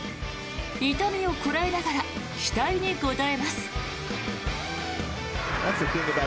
痛みをこらえながら期待に応えます。